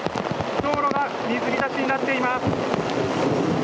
道路が水浸しになっています。